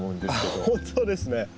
あっ本当ですね。